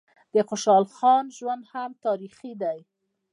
د خوشحال خان ژوند هم تاریخي دی.